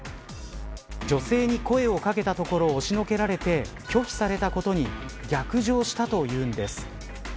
女性に声を掛けたところ押しのけられて拒否されたことに逆上したというのです。